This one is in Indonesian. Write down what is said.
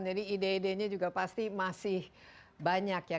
jadi ide idenya juga pasti masih banyak ya